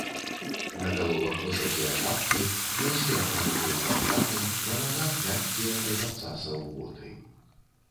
На галовах высокія шапкі, князі апрануты ў кафтаны, на нагах мяккія, без абцасаў боты.